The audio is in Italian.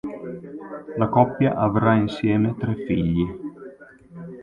La coppia avrà insieme tre figli.